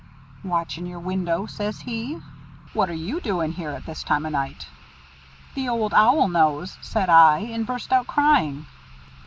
'Watching your window,' says he. 'What are you doing here at this time o' night?' 'The Old Owl knows,' said I, and burst out crying."